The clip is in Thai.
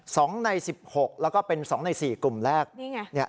สองในสิบหกแล้วก็เป็นสองในสี่กลุ่มแรกนี่ไงเนี่ย